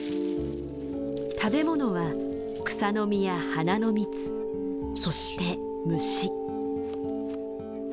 食べ物は草の実や花の蜜そして虫。